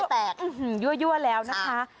อื้อฮือยั่วแล้วนะคะ